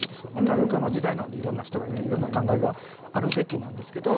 多様化の時代なんでいろんな人がいていろんな考えがあるべきなんですけど。